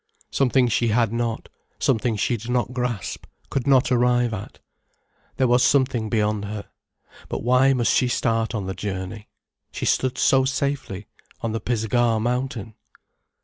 Something she had not, something she did not grasp, could not arrive at. There was something beyond her. But why must she start on the journey? She stood so safely on the Pisgah mountain.